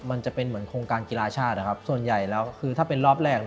มันจะเป็นเหมือนโครงการกีฬาชาติส่วนใหญ่แล้วคือถ้าเป็นรอบแรก